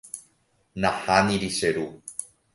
Nahániri che ru.